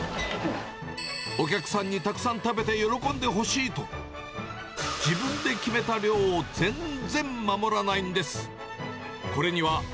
お客さんにたくさん食べて喜んでほしいと、自分で決めた量を全然守らないんです。